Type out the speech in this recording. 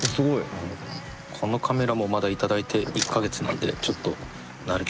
このカメラもまだ頂いて１か月なんでちょっと慣れてないですけど。